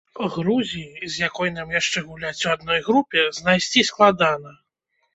Грузіі, з якой нам яшчэ гуляць у адной групе, знайсці складана.